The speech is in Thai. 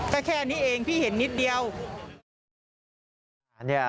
ก็แค่นี้เองพี่เห็นนิดเดียว